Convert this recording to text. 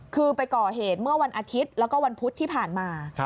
คือไปก่อเหตุเมื่อวันอาทิตย์แล้วก็วันพุธที่ผ่านมา